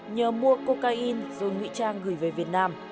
nhờ mua cocaine rồi nguyễn trang gửi về việt nam